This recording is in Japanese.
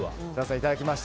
いただきました。